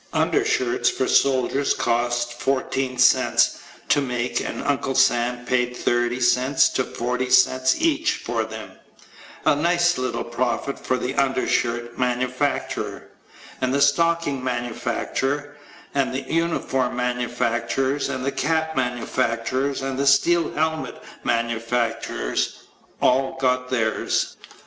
Undershirts for soldiers cost 140 [cents] to make and uncle Sam paid 300 to 400 each for them a nice little profit for the undershirt manufacturer. And the stocking manufacturer and the uniform manufacturers and the cap manufacturers and the steel helmet manufacturers all got theirs.